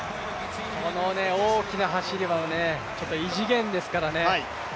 この大きな走りはちょっと異次元ですからね。